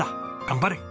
頑張れ！」